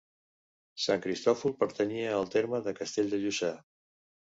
Sant Cristòfol pertanyia al terme del Castell de Lluçà.